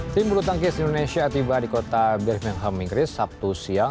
tim bulu tangkis indonesia tiba di kota birmingham inggris sabtu siang